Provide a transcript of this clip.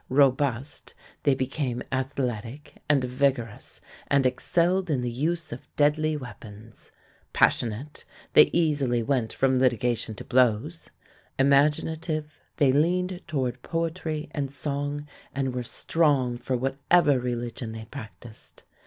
Robust, they became athletic and vigorous and excelled in the use of deadly weapons; passionate, they easily went from litigation to blows; imaginative, they leaned toward poetry and song and were strong for whatever religion they practised.